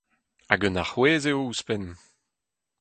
Hag un arouez eo ouzhpenn !